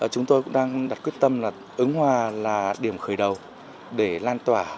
chúng tôi cũng đang đặt quyết tâm là ứng hòa là điểm khởi đầu để lan tỏa